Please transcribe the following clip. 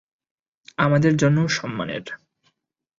আমাদের জন্যও সম্মানের।